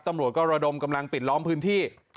ตำรวจก็ระดมกำลังปิดล้อมพื้นที่